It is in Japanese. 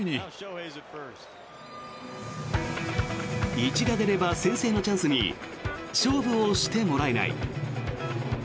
一打出れば先制のチャンスに勝負をしてもらえない。